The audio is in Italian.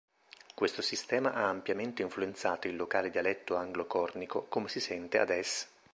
Questo sistema ha ampiamente influenzato il locale dialetto anglo-cornico, come si sente ad es.